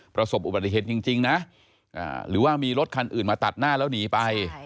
ประสบอุบัติเหตุจริงนะหรือว่ามีรถคันอื่นมาตัดหน้าแล้วหนีไป